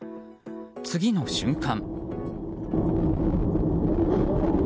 次の瞬間。